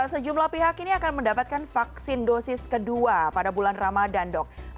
sejumlah pihak ini akan mendapatkan vaksin dosis kedua pada bulan ramadan dok